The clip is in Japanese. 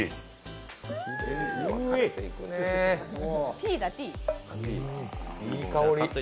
Ｔだ、Ｔ。